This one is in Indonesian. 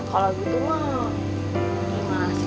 kalau gitu mah gimana sih